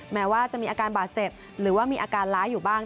แม้ว่าจะมีอาการบาดเจ็บหรือว่ามีอาการร้ายอยู่บ้าง